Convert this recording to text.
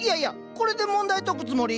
これで問題解くつもり？